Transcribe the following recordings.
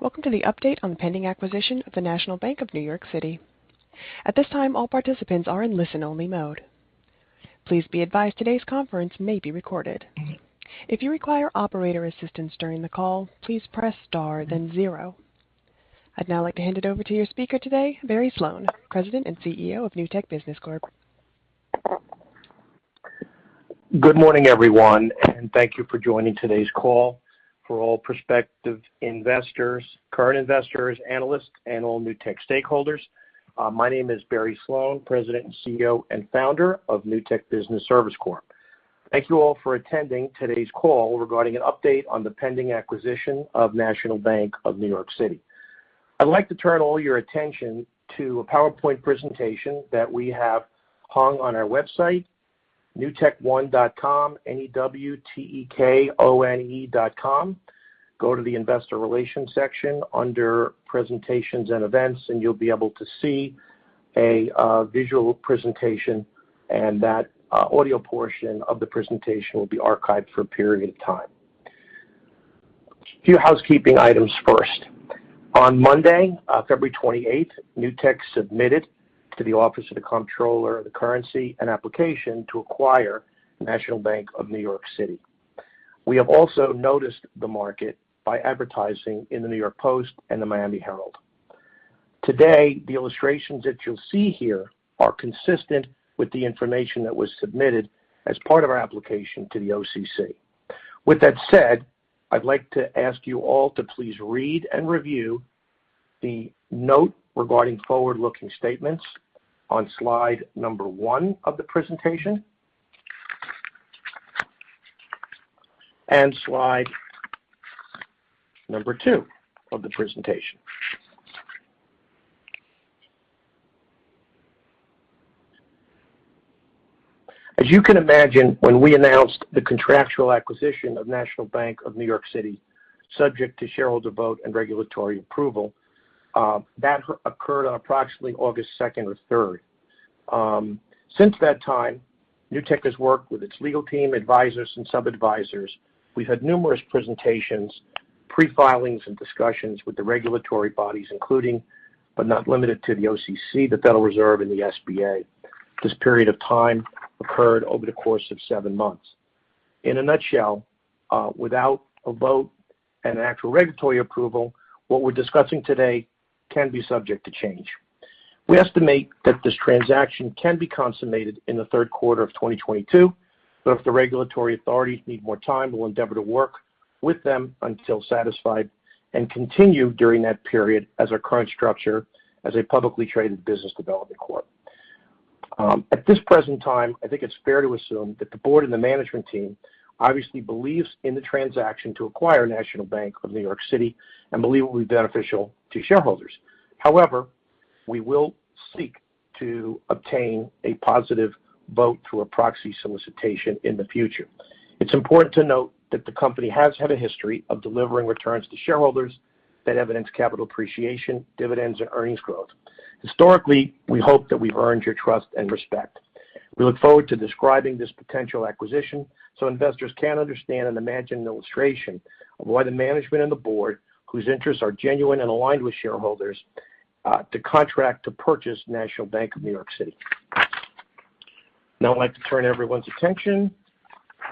Welcome to the update on the pending acquisition of the National Bank of New York City. At this time, all participants are in listen-only mode. Please be advised, today's conference may be recorded. If you require operator assistance during the call, please press Star then zero. I'd now like to hand it over to your speaker today, Barry Sloane, President and CEO of Newtek Business Corp. Good morning, everyone, and thank you for joining today's call. For all prospective investors, current investors, analysts, and all Newtek stakeholders, my name is Barry Sloane, President and CEO and founder of Newtek Business Services Corp. Thank you all for attending today's call regarding an update on the pending acquisition of National Bank of New York City. I'd like to turn all your attention to a PowerPoint presentation that we have hung on our website, newtekone.com, N-E-W-T-E-K O-N-E dot com. Go to the Investor Relations section under Presentations and Events, and you'll be able to see a visual presentation, and that audio portion of the presentation will be archived for a period of time. A few housekeeping items first. On Monday, February 28, Newtek submitted to the Office of the Comptroller of the Currency an application to acquire National Bank of New York City. We have also notified the market by advertising in the New York Post and the Miami Herald. Today, the illustrations that you'll see here are consistent with the information that was submitted as part of our application to the OCC. With that said, I'd like to ask you all to please read and review the note regarding forward-looking statements on slide number one of the presentation. Slide number two of the presentation. As you can imagine, when we announced the contractual acquisition of National Bank of New York City, subject to shareholder vote and regulatory approval, that occurred on approximately August second or third. Since that time, Newtek has worked with its legal team, advisors, and sub-advisors. We've had numerous presentations, pre-filings, and discussions with the regulatory bodies, including, but not limited to the OCC, the Federal Reserve, and the SBA. This period of time occurred over the course of seven months. In a nutshell, without a vote and actual regulatory approval, what we're discussing today can be subject to change. We estimate that this transaction can be consummated in the third quarter of 2022, but if the regulatory authorities need more time, we'll endeavor to work with them until satisfied and continue during that period as our current structure as a publicly traded business development corp. At this present time, I think it's fair to assume that the board and the management team obviously believes in the transaction to acquire National Bank of New York City and believe it will be beneficial to shareholders. However, we will seek to obtain a positive vote through a proxy solicitation in the future. It's important to note that the company has had a history of delivering returns to shareholders that evidence capital appreciation, dividends, and earnings growth. Historically, we hope that we've earned your trust and respect. We look forward to describing this potential acquisition so investors can understand and imagine an illustration of why the management and the board, whose interests are genuine and aligned with shareholders, to contract to purchase National Bank of New York City. Now, I'd like to turn everyone's attention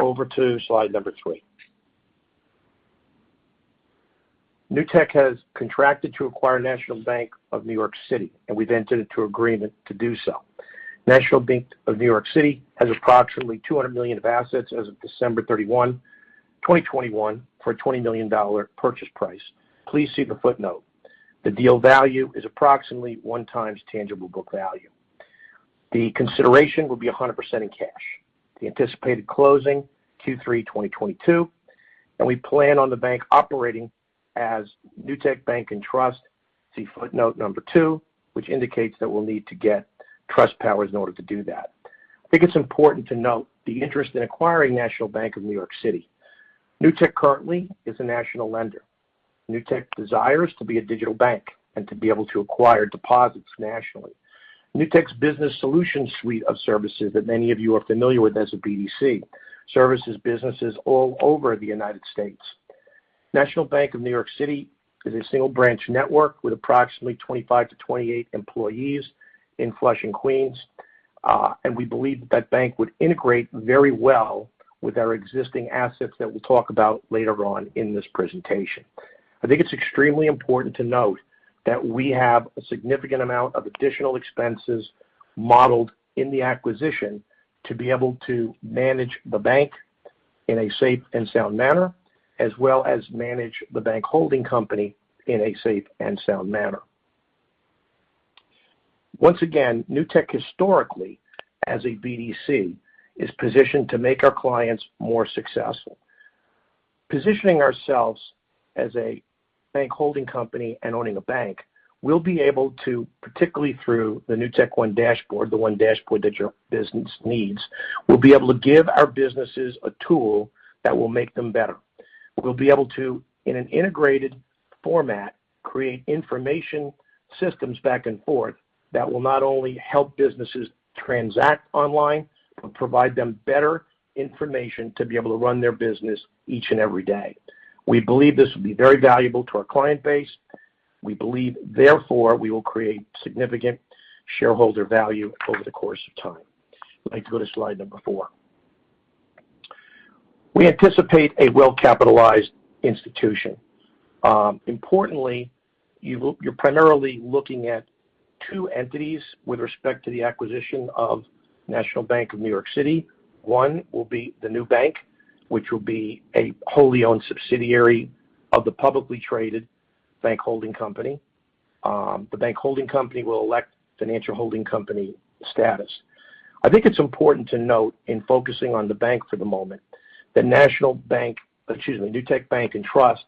over to slide number three. Newtek has contracted to acquire National Bank of New York City, and we've entered into an agreement to do so. National Bank of New York City has approximately 200 million of assets as of December 31, 2021, for a $20 million purchase price. Please see the footnote. The deal value is approximately 1x tangible book value. The consideration will be 100% in cash. The anticipated closing, Q3 2022, and we plan on the bank operating as Newtek Bank and Trust. See footnote number two, which indicates that we'll need to get trust powers in order to do that. I think it's important to note the interest in acquiring National Bank of New York City. Newtek currently is a national lender. Newtek desires to be a digital bank and to be able to acquire deposits nationally. Newtek's business solution suite of services that many of you are familiar with as a BDC services businesses all over the United States. National Bank of New York City is a single branch network with approximately 25-28 employees in Flushing, Queens, and we believe that bank would integrate very well with our existing assets that we'll talk about later on in this presentation. I think it's extremely important to note that we have a significant amount of additional expenses modeled in the acquisition to be able to manage the bank in a safe and sound manner, as well as manage the bank holding company in a safe and sound manner. Once again, Newtek historically, as a BDC, is positioned to make our clients more successful. Positioning ourselves as a bank holding company and owning a bank, we'll be able to, particularly through the Newtek One Dashboard, the one dashboard that your business needs, we'll be able to give our businesses a tool that will make them better. We'll be able to, in an integrated format, create information systems back and forth that will not only help businesses transact online, but provide them better information to be able to run their business each and every day. We believe this will be very valuable to our client base. We believe, therefore, we will create significant shareholder value over the course of time. I'd like to go to slide number four. We anticipate a well-capitalized institution. Importantly, you're primarily looking at two entities with respect to the acquisition of National Bank of New York City. One will be the new bank, which will be a wholly owned subsidiary of the publicly traded bank holding company. The bank holding company will elect financial holding company status. I think it's important to note in focusing on the bank for the moment, that Newtek Bank and Trust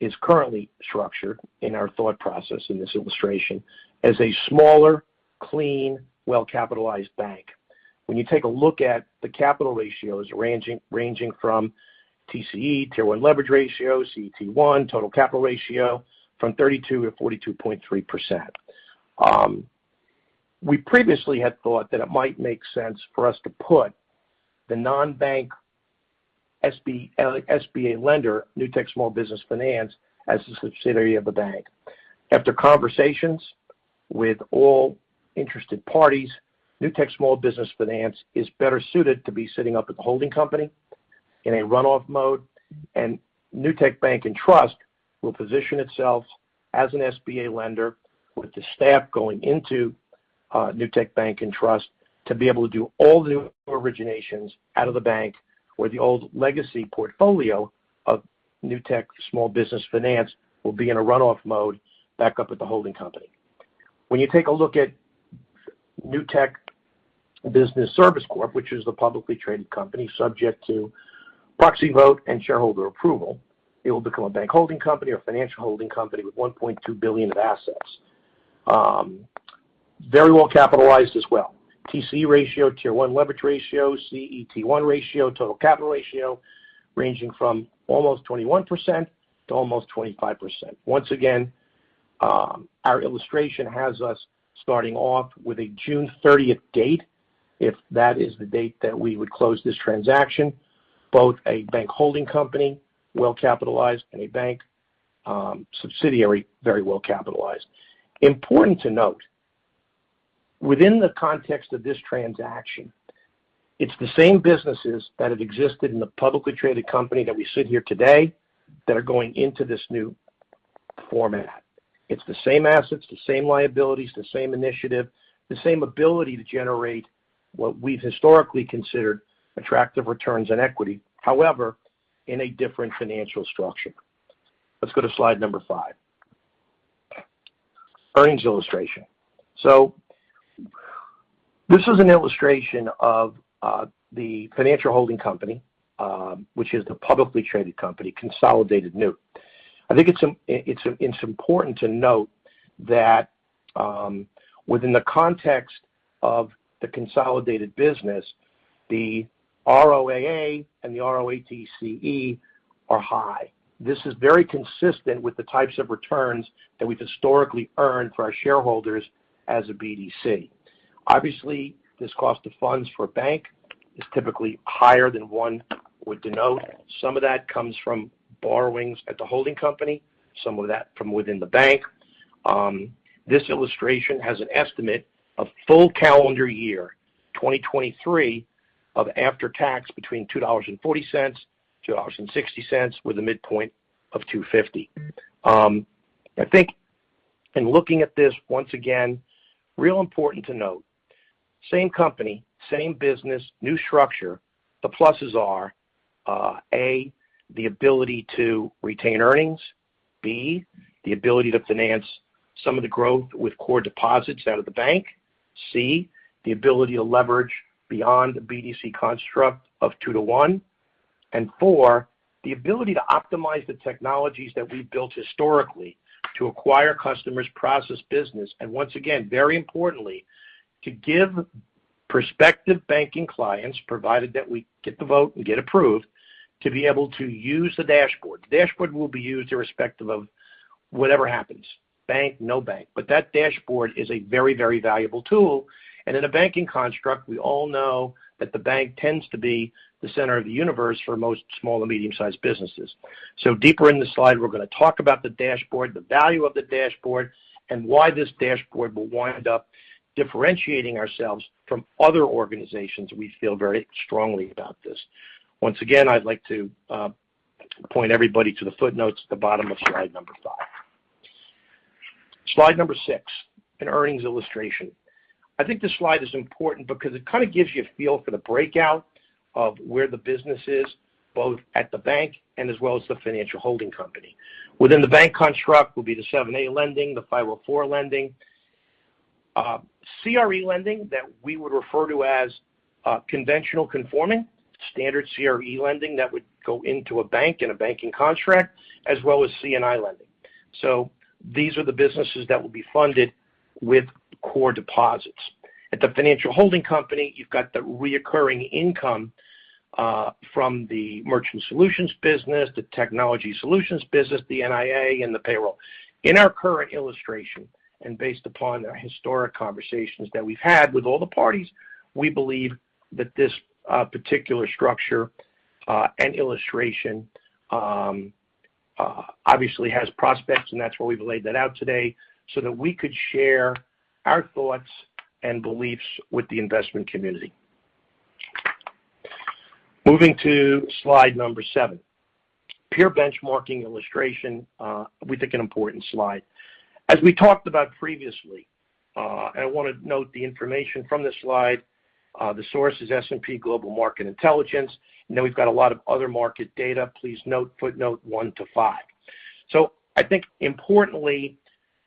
is currently structured in our thought process in this illustration as a smaller, clean, well-capitalized bank. When you take a look at the capital ratios ranging from TCE, Tier 1 leverage ratio, CET1, total capital ratio, from 32%-42.3%. We previously had thought that it might make sense for us to put the non-bank SBA lender, Newtek Small Business Finance, as a subsidiary of the bank. After conversations with all interested parties, Newtek Small Business Finance is better suited to be sitting up at the holding company in a runoff mode, and Newtek Bank and Trust will position itself as an SBA lender with the staff going into Newtek Bank and Trust to be able to do all new originations out of the bank, where the old legacy portfolio of Newtek Small Business Finance will be in a runoff mode back up at the holding company. When you take a look at Newtek Business Services Corp., which is the publicly traded company subject to proxy vote and shareholder approval, it will become a bank holding company or financial holding company with $1.2 billion of assets. Very well capitalized as well. TCE ratio, Tier 1 leverage ratio, CET1 ratio, total capital ratio, ranging from almost 21% to almost 25%. Once again, our illustration has us starting off with a June 30th date, if that is the date that we would close this transaction. Both a bank holding company, well capitalized, and a bank subsidiary, very well capitalized. Important to note, within the context of this transaction, it's the same businesses that have existed in the publicly traded company that we sit here today that are going into this new format. It's the same assets, the same liabilities, the same initiative, the same ability to generate what we've historically considered attractive returns on equity. However, in a different financial structure. Let's go to slide number five. Earnings illustration. This is an illustration of the financial holding company, which is the publicly traded company, consolidated NewtekOne. I think it's important to note that within the context of the consolidated business, the ROAA and the ROATCE are high. This is very consistent with the types of returns that we've historically earned for our shareholders as a BDC. Obviously, this cost of funds for a bank is typically higher than one would denote. Some of that comes from borrowings at the holding company, some of that from within the bank. This illustration has an estimate of full calendar year 2023 of after-tax $2.40-$2.60, with a midpoint of $2.50. I think in looking at this once again, really important to note, same company, same business, new structure. The pluses are A, the ability to retain earnings. B, the ability to finance some of the growth with core deposits out of the bank. C, the ability to leverage beyond the BDC construct of 2-to-1. D, the ability to optimize the technologies that we've built historically to acquire customers, process business, and once again, very importantly, to give prospective banking clients, provided that we get the vote and get approved, to be able to use the dashboard. The dashboard will be used irrespective of whatever happens. Bank, no bank. That dashboard is a very, very valuable tool. In a banking construct, we all know that the bank tends to be the center of the universe for most small and medium-sized businesses. Deeper in the slide, we're gonna talk about the dashboard, the value of the dashboard, and why this dashboard will wind up differentiating ourselves from other organizations. We feel very strongly about this. Once again, I'd like to point everybody to the footnotes at the bottom of slide five. Slide six, an earnings illustration. I think this slide is important because it kind of gives you a feel for the breakout of where the business is, both at the bank and as well as the financial holding company. Within the bank construct will be the 7(a) lending, the 504 lending. CRE lending that we would refer to as, conventional conforming, standard CRE lending that would go into a bank in a banking contract, as well as C&I lending. These are the businesses that will be funded with core deposits. At the financial holding company, you've got the recurring income from the Merchant Solutions business, the Technology Solutions business, the NIA and the payroll. In our current illustration and based upon our historic conversations that we've had with all the parties, we believe that this particular structure and illustration obviously has prospects, and that's why we've laid that out today so that we could share our thoughts and beliefs with the investment community. Moving to slide number seven. Peer benchmarking illustration. We think an important slide. As we talked about previously, and I wanna note the information from this slide. The source is S&P Global Market Intelligence, and then we've got a lot of other market data. Please note footnote one to five. I think importantly,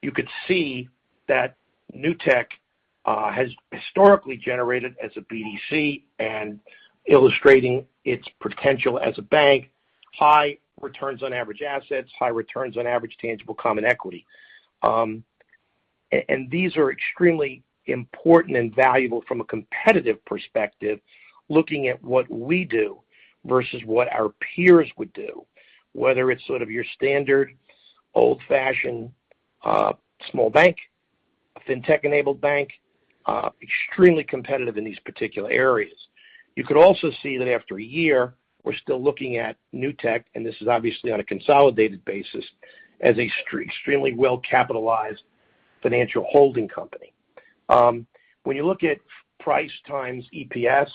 you could see that Newtek has historically generated as a BDC and illustrating its potential as a bank, high returns on average assets, high returns on average tangible common equity. And these are extremely important and valuable from a competitive perspective, looking at what we do versus what our peers would do. Whether it's sort of your standard old-fashioned small bank, fintech-enabled bank, extremely competitive in these particular areas. You could also see that after a year, we're still looking at Newtek, and this is obviously on a consolidated basis, as an extremely well-capitalized financial holding company. When you look at price times EPS,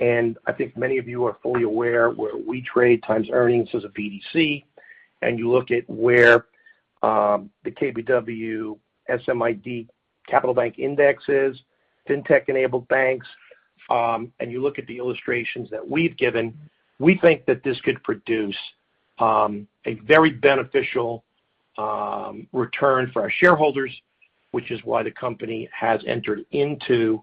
and I think many of you are fully aware where we trade times earnings as a BDC, and you look at where the KBW SMID Capital Bank Index is, fintech-enabled banks, and you look at the illustrations that we've given, we think that this could produce a very beneficial return for our shareholders, which is why the company has entered into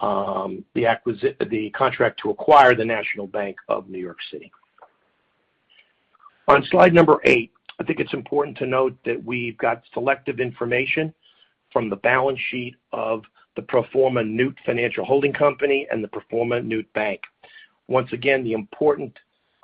the contract to acquire the National Bank of New York City. On slide number eight, I think it's important to note that we've got selective information from the balance sheet of the pro forma Newtek Financial Holding Company and the pro forma Newtek Bank. Once again, the important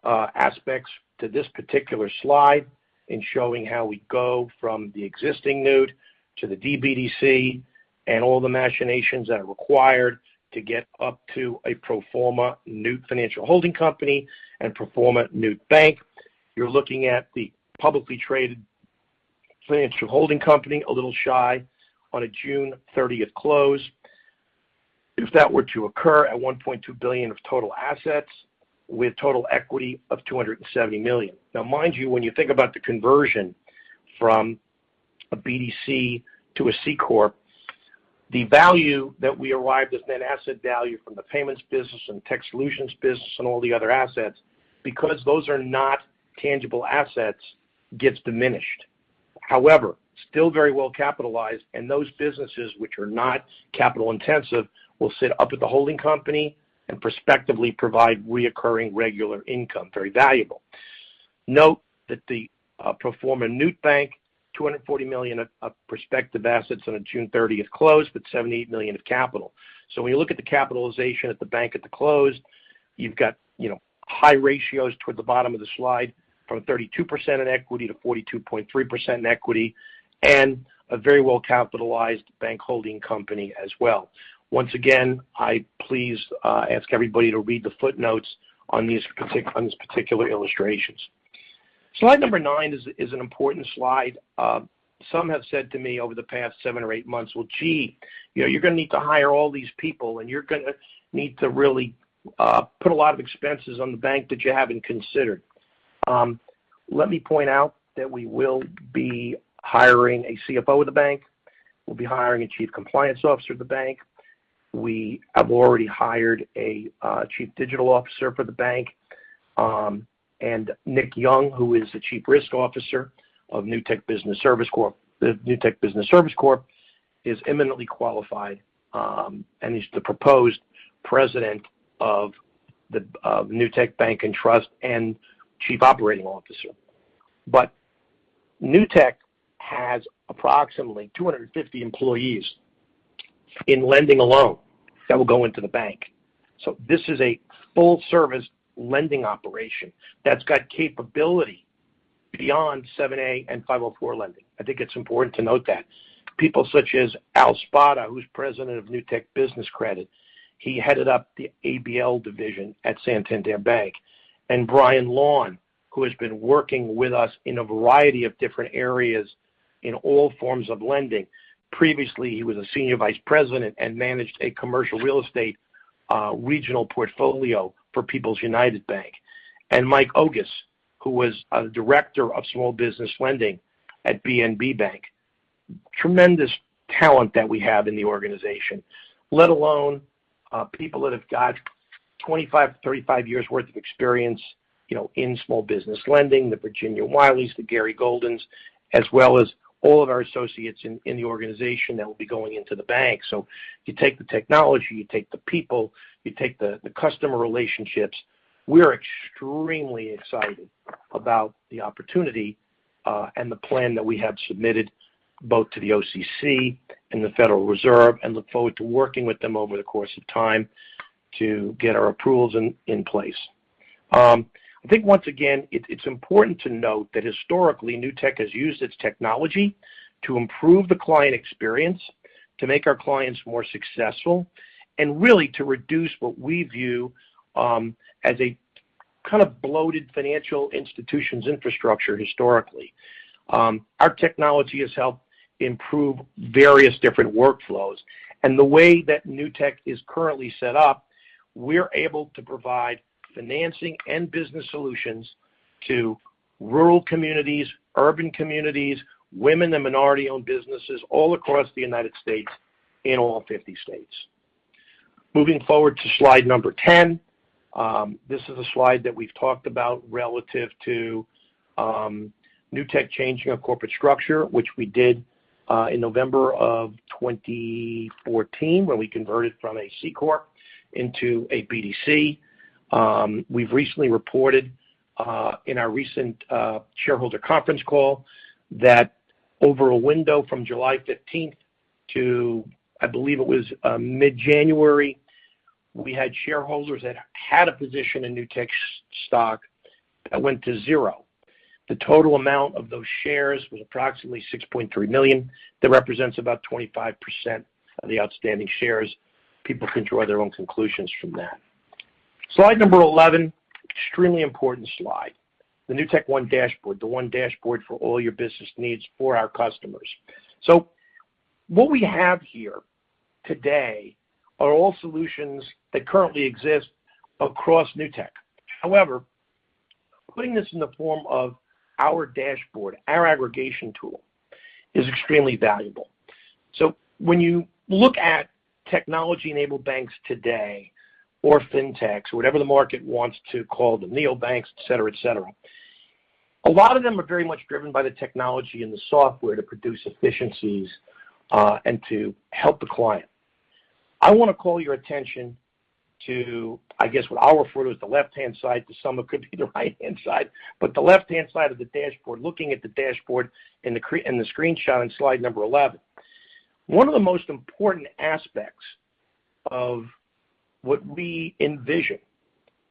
aspects to this particular slide in showing how we go from the existing Newtek to the BDC and all the machinations that are required to get up to a pro forma Newtek Financial Holding Company and pro forma Newtek Bank. You're looking at the publicly traded financial holding company, a little shy on a June thirtieth close. If that were to occur at $1.2 billion of total assets with total equity of $270 million. Now mind you, when you think about the conversion from a BDC to a C corp, the value that we arrive at as net asset value from the payments business and tech solutions business and all the other assets, because those are not tangible assets, gets diminished. However, still very well capitalized and those businesses which are not capital intensive will sit up at the holding company and prospectively provide recurring regular income, very valuable. Note that the pro forma Newtek Bank, $240 million of prospective assets on a June 30th close, but $70 million of capital. When you look at the capitalization at the bank at the close, you've got, you know, high ratios toward the bottom of the slide from 32% in equity to 42.3% in equity and a very well capitalized bank holding company as well. Once again, I please ask everybody to read the footnotes on these particular illustrations. Slide number nine is an important slide. Some have said to me over the past seven or eight months, "Well, gee, you know, you're gonna need to hire all these people and you're gonna need to really put a lot of expenses on the bank that you haven't considered." Let me point out that we will be hiring a CFO of the bank. We'll be hiring a Chief Compliance Officer of the bank. We have already hired a Chief Digital Officer for the bank. Nicolas Young, who is the Chief Risk Officer of Newtek Business Services Corp., is eminently qualified, and he's the proposed President of Newtek Bank and Trust and Chief Operating Officer. Newtek has approximately 250 employees in lending alone that will go into the bank. This is a full service lending operation that's got capability beyond 7(a) and 504 lending. I think it's important to note that. People such as Albert Spada, who is President of Newtek Business Credit, he headed up the ABL division at Santander Bank. Brian Lown, who has been working with us in a variety of different areas in all forms of lending. Previously, he was a Senior Vice President and managed a commercial real estate regional portfolio for People's United Bank. Mike Ogus, who was a Director of small business lending at BNB Bank. Tremendous talent that we have in the organization. Let alone, people that have got 25-35 years worth of experience, you know, in small business lending, the Virginia Wiley, the Gary Golden, as well as all of our associates in the organization that will be going into the bank. You take the technology, you take the people, you take the customer relationships. We're extremely excited about the opportunity, and the plan that we have submitted both to the OCC and the Federal Reserve, and look forward to working with them over the course of time to get our approvals in place. I think once again, it's important to note that historically, Newtek has used its technology to improve the client experience, to make our clients more successful, and really to reduce what we view as a kind of bloated financial institution's infrastructure historically. Our technology has helped improve various different workflows. The way that Newtek is currently set up, we're able to provide financing and business solutions to rural communities, urban communities, women and minority-owned businesses all across the United States in all 50 states. Moving forward to slide number 10. This is a slide that we've talked about relative to Newtek changing our corporate structure, which we did in November of 2014, where we converted from a C corp into a BDC. We've recently reported in our recent shareholder conference call that over a window from July 15th to, I believe it was, mid-January, we had shareholders that had a position in Newtek's stock that went to zero. The total amount of those shares was approximately 6.3 million. That represents about 25% of the outstanding shares. People can draw their own conclusions from that. Slide number 11, extremely important slide. The Newtek One Dashboard, the one dashboard for all your business needs for our customers. What we have here today are all solutions that currently exist across Newtek. However, putting this in the form of our dashboard, our aggregation tool, is extremely valuable. When you look at technology-enabled banks today, or Fintechs, whatever the market wants to call them, neobanks, et cetera, et cetera, a lot of them are very much driven by the technology and the software to produce efficiencies, and to help the client. I want to call your attention to, I guess, what I'll refer to as the left-hand side. To some, it could be the right-hand side. The left-hand side of the dashboard, looking at the dashboard in the screenshot on slide number 11. One of the most important aspects of what we envision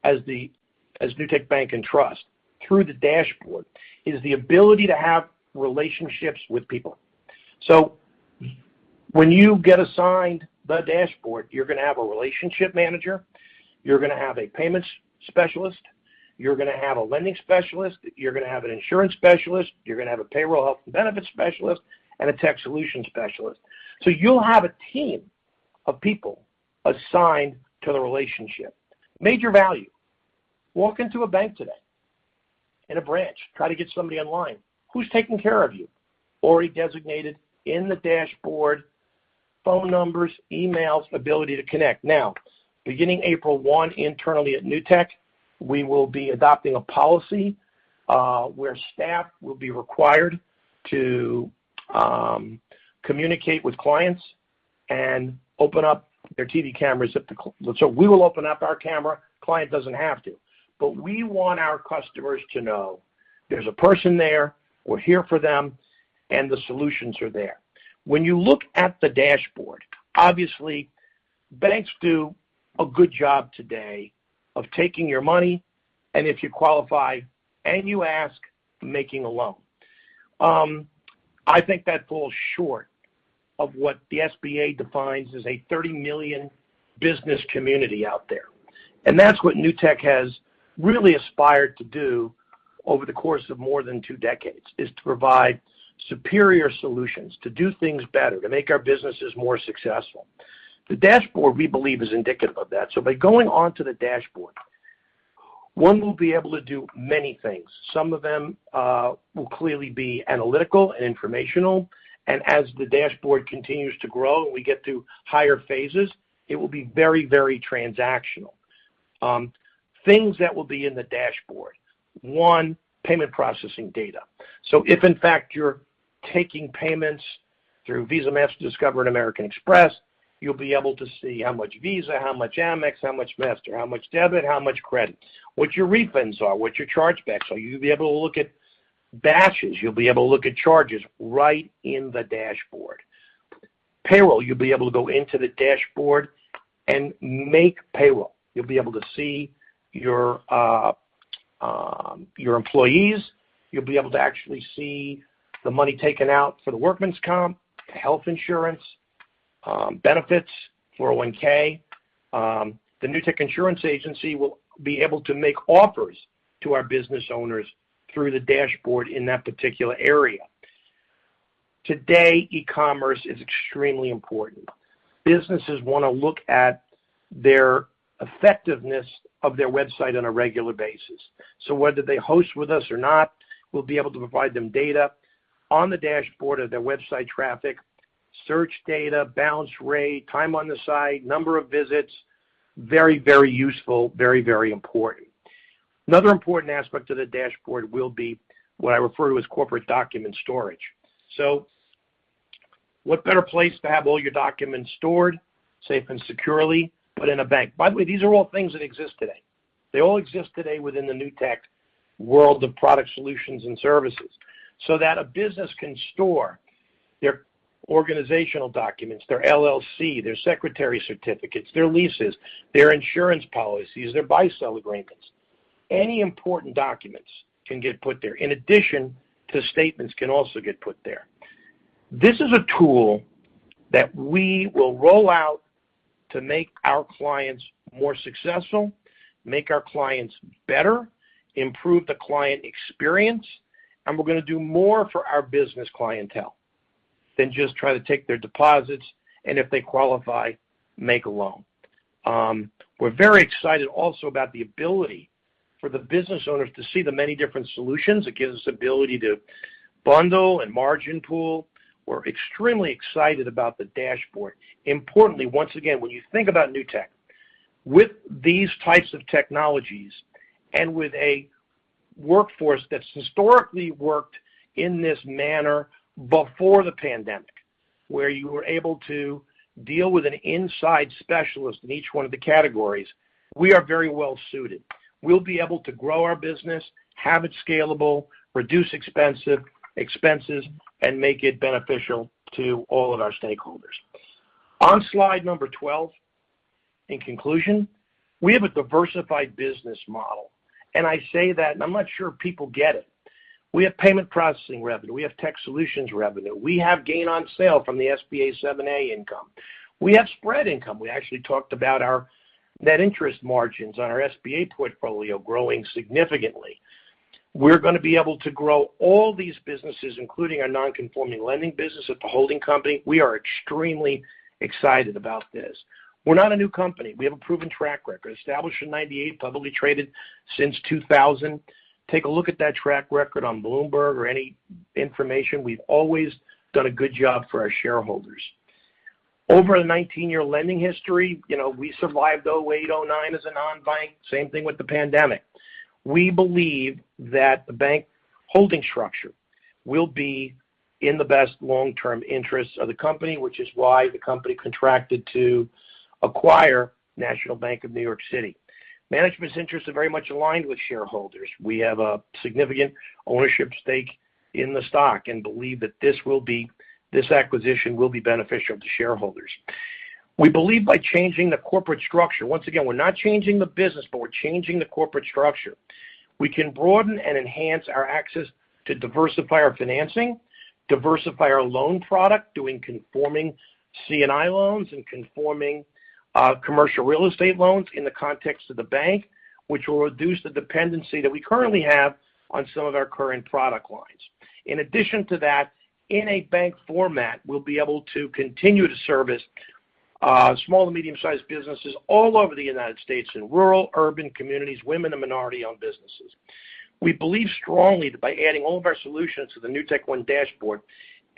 as Newtek Bank and Trust through the dashboard is the ability to have relationships with people. When you get assigned the dashboard, you're going to have a relationship manager, you're going to have a payments specialist, you're going to have a lending specialist, you're going to have an insurance specialist, you're going to have a payroll health and benefits specialist, and a tech solution specialist. You'll have a team of people assigned to the relationship. Major value. Walk into a bank today in a branch, try to get somebody online. Who's taking care of you? Already designated in the dashboard, phone numbers, emails, ability to connect. Now, beginning April 1, internally at Newtek, we will be adopting a policy where staff will be required to communicate with clients and open up their TV cameras. So we will open up our camera. Client doesn't have to. But we want our customers to know there's a person there, we're here for them, and the solutions are there. When you look at the dashboard, obviously, banks do a good job today of taking your money, and if you qualify and you ask, making a loan. I think that falls short of what the SBA defines as a 30 million business community out there. That's what Newtek has really aspired to do over the course of more than two decades, is to provide superior solutions, to do things better, to make our businesses more successful. The dashboard, we believe, is indicative of that. By going onto the dashboard, one will be able to do many things. Some of them will clearly be analytical and informational. As the dashboard continues to grow and we get to higher phases, it will be very, very transactional. Things that will be in the dashboard, one, payment processing data. If in fact you're taking payments through Visa, Mastercard, Discover, and American Express, you'll be able to see how much Visa, how much Amex, how much Mastercard, how much debit, how much credit, what your refunds are, what your chargebacks are. You'll be able to look at batches. You'll be able to look at charges right in the dashboard. Payroll, you'll be able to go into the dashboard and make payroll. You'll be able to see your employees. You'll be able to actually see the money taken out for the workman's comp, health insurance, benefits, 401(k). The Newtek Insurance Agency will be able to make offers to our business owners through the dashboard in that particular area. Today, e-commerce is extremely important. Businesses want to look at their effectiveness of their website on a regular basis. Whether they host with us or not, we'll be able to provide them data on the dashboard of their website traffic, search data, bounce rate, time on the site, number of visits, very, very useful, very, very important. Another important aspect of the dashboard will be what I refer to as corporate document storage. What better place to have all your documents stored safe and securely, but in a bank. By the way, these are all things that exist today. They all exist today within the Newtek world of product solutions and services, so that a business can store their organizational documents, their LLC, their secretary certificates, their leases, their insurance policies, their buy-sell agreements. Any important documents can get put there. In addition, statements can also get put there. This is a tool that we will roll out to make our clients more successful, make our clients better, improve the client experience, and we're gonna do more for our business clientele than just try to take their deposits and if they qualify, make a loan. We're very excited also about the ability for the business owners to see the many different solutions. It gives us ability to bundle and margin pool. We're extremely excited about the dashboard. Importantly, once again, when you think about Newtek, with these types of technologies and with a workforce that's historically worked in this manner before the pandemic, where you were able to deal with an inside specialist in each one of the categories, we are very well suited. We'll be able to grow our business, have it scalable, reduce expenses, and make it beneficial to all of our stakeholders. On slide number 12, in conclusion, we have a diversified business model. I say that, and I'm not sure people get it. We have payment processing revenue. We have tech solutions revenue. We have gain on sale from the SBA 7(a) income. We have spread income. We actually talked about our net interest margins on our SBA portfolio growing significantly. We're gonna be able to grow all these businesses, including our non-conforming lending business at the holding company. We are extremely excited about this. We're not a new company. We have a proven track record, established in 1998, publicly traded since 2000. Take a look at that track record on Bloomberg or any information. We've always done a good job for our shareholders. Over the 19-year lending history, you know, we survived 2008, 2009 as a non-bank. Same thing with the pandemic. We believe that the bank holding structure will be in the best long-term interest of the company, which is why the company contracted to acquire National Bank of New York City. Management's interests are very much aligned with shareholders. We have a significant ownership stake in the stock and believe that this acquisition will be beneficial to shareholders. We believe by changing the corporate structure, once again, we're not changing the business, but we're changing the corporate structure. We can broaden and enhance our access to diversify our financing, diversify our loan product, doing conforming C&I loans and conforming, commercial real estate loans in the context of the bank, which will reduce the dependency that we currently have on some of our current product lines. In addition to that, in a bank format, we'll be able to continue to service, small and medium-sized businesses all over the United States in rural, urban communities, women and minority-owned businesses. We believe strongly that by adding all of our solutions to the Newtek One Dashboard,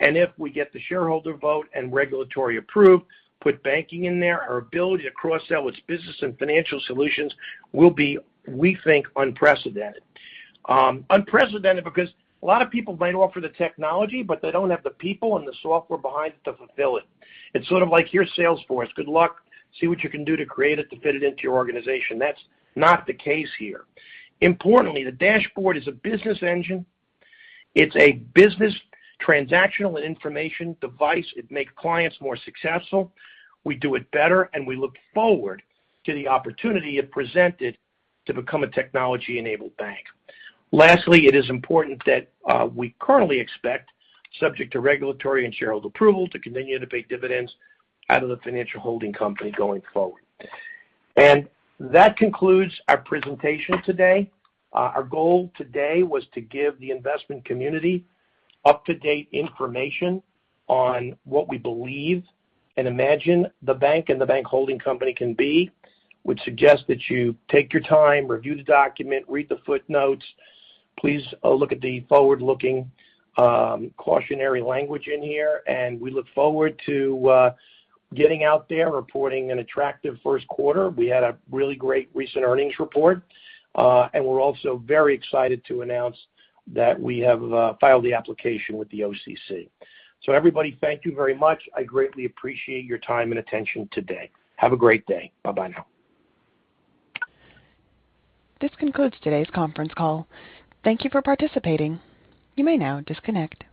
and if we get the shareholder vote and regulatory approval, put banking in there, our ability to cross-sell with business and financial solutions will be, we think, unprecedented. Unprecedented because a lot of people might offer the technology, but they don't have the people and the software behind it to fulfill it. It's sort of like your Salesforce. Good luck. See what you can do to create it, to fit it into your organization. That's not the case here. Importantly, the dashboard is a business engine. It's a business transactional and information device. It makes clients more successful. We do it better, and we look forward to the opportunity it presented to become a technology-enabled bank. Lastly, it is important that, we currently expect subject to regulatory and shareholder approval to continue to pay dividends out of the financial holding company going forward. That concludes our presentation today. Our goal today was to give the investment community up-to-date information on what we believe and imagine the bank and the bank holding company can be. Would suggest that you take your time, review the document, read the footnotes. Please look at the forward-looking cautionary language in here, and we look forward to getting out there, reporting an attractive first quarter. We had a really great recent earnings report. We're also very excited to announce that we have filed the application with the OCC. Everybody, thank you very much. I greatly appreciate your time and attention today. Have a great day. Bye-bye now. This concludes today's conference call. Thank you for participating. You may now disconnect.